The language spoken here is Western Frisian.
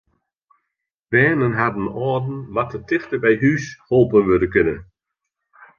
Bern en harren âlden moatte tichteby hús holpen wurde kinne.